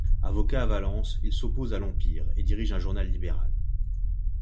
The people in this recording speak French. Avocat à Valence, il s'oppose à l'Empire et dirige un journal libéral.